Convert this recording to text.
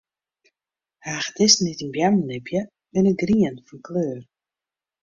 Hagedissen dy't yn beammen libje, binne grien fan kleur.